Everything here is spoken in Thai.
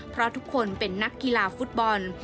เพราะทุกคนเป็นนักกีฬาฟุตบอล